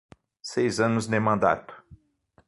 Seis anos de mandato